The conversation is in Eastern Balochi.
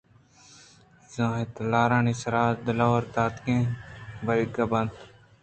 زِہیں تلارانی سرا دئور دئیگ ءَ برگ ءَ بنت